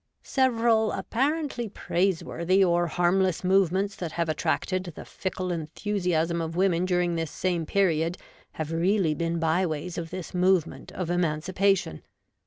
Several apparently praiseworthy or harmless movements that have attracted the fickle enthusiasm of women during this same period have really been byways of this movement of emancipation.